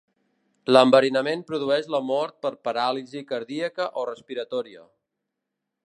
L'enverinament produeix la mort per paràlisi cardíaca o respiratòria.